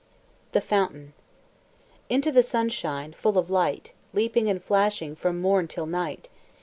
THE FOUNTAIN Into the sunshine, Full of the light, Leaping and flashing From morn till night!